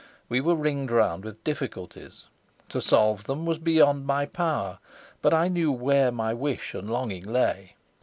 We were ringed round with difficulties. To solve them was beyond my power; but I knew where my wish and longing lay.